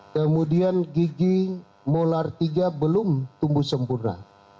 kemudian ada tinggi yang mular tiga belum tumbuh sempurna